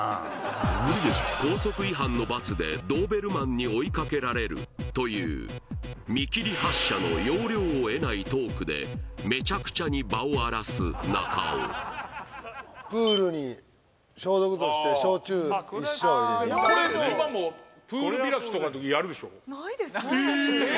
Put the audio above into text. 校則違反の罰でドーベルマンに追いかけられるという見切り発車の要領を得ないトークでめちゃくちゃに場を荒らす中尾プールに消毒として焼酎一升を入れていたこれはそうね